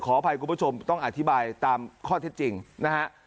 ขออภัยคุณผู้ชมต้องอธิบายตามข้อเท็จจริงนะฮะ